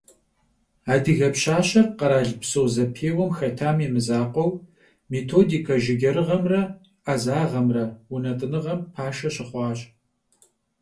Adıge pşaşer kheralpso zepêuem xetam yi mızakhueu, «Mêtodike jjıcerağımre 'ezağımre» vunet'ınığem paşşe şıxhuaş.